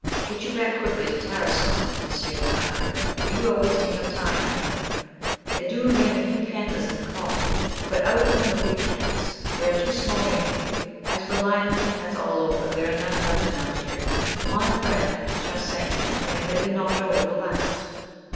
Get you back quickly to Tarascon, Monsieur Tartarin, for you are wasting your time here. There do remain a few panthers in the colony, but, out upon the big cats! they are too small game for you. As for lion hunting, that's all over. There are none left in Algeria, my friend Chassaing having lately knocked over the last."